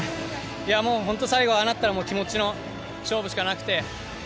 もうほんと最後、ああなったらもう気持ちの勝負しかなくて。